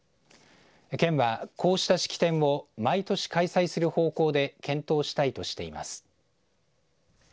県は、こうした式典を毎年開催する方向で検討したいとしています。